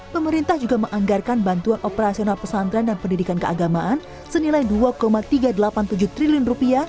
pemerintah juga menganggarkan bantuan operasional pesantren dan pendidikan keagamaan senilai rp dua tiga ratus delapan puluh tujuh triliun